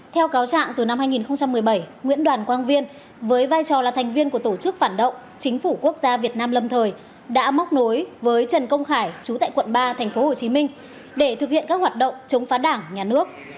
theo cáo trạng từ năm hai nghìn một mươi bảy nguyễn đoàn quang viên với vai trò là thành viên của tổ chức phản động chính phủ quốc gia việt nam lâm thời đã móc nối với trần công khải chú tại quận ba tp hcm để thực hiện các hoạt động chống phá đảng nhà nước